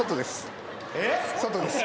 外です。